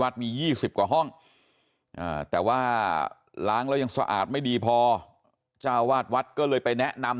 มี๒๐กว่าห้องแต่ว่าล้างแล้วยังสะอาดไม่ดีพอเจ้าวาดวัดก็เลยไปแนะนำ